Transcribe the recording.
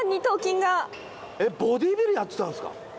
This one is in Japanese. ボディービルやってたんすか？